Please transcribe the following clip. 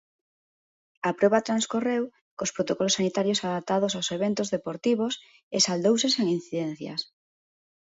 A proba transcorreu cos protocolos sanitarios adaptados aos eventos deportivos e saldouse sen incidencias.